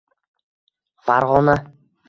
Farg‘ona